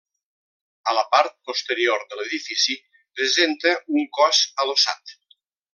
A la part posterior de l'edifici presenta un cos adossat.